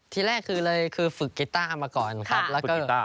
ที่แรกคือฝึกกีต้ามาก่อนครับ